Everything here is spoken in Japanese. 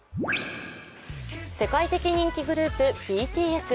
世界的人気グループ、ＢＴＳ。